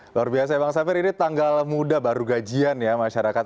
luar biasa ya bang safir ini tanggal muda baru gajian ya masyarakat